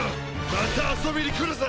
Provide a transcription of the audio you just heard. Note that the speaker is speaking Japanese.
また遊びに来るぜ。